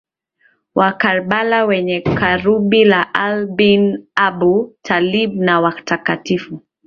wa Karbala wenye kaburi la Ali ibn Abu Talib na watakatifu